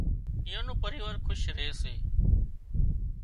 ايئان نُون پريوار کُش ري سي